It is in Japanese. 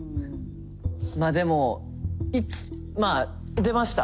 まあでもまあ出ました